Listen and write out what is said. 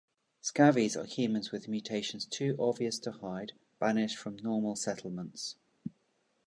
Scavvies are humans with mutations too obvious to hide, banished from normal settlements.